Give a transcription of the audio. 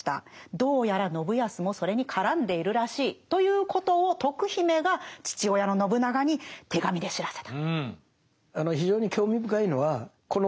どうやら信康もそれに絡んでいるらしいということを徳姫が父親の信長に手紙で知らせた。